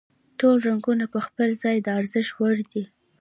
ټول رنګونه په خپل ځای د ارزښت وړ دي.